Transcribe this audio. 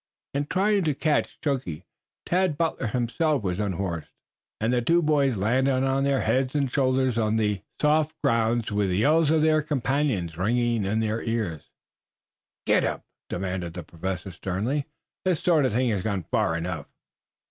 In trying to catch Chunky, Tad Butler was himself unhorsed, and the two boys landed on their heads and shoulders on the soft ground with the yells of their companions ringing in their ears. "Get up!" commanded the Professor sternly. "This sort of thing has gone far enough."